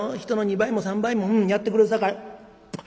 人の２倍も３倍もうんやってくれるさかい。